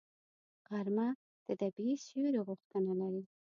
غرمه د طبیعي سیوري غوښتنه لري